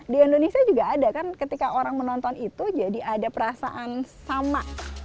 di indonesia juga ada kan ketika orang menonton itu jadi ada perasaan sama